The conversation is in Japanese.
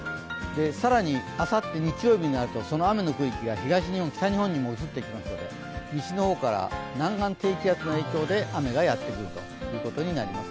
更に、あさって日曜日になるとその雨の区域が、東日本、北日本にも移ってきますので、西のほうから南岸低気圧の影響で雨が降ってくるということになります。